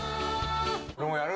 俺もやる！